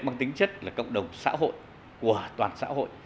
chính chất là cộng đồng xã hội của toàn xã hội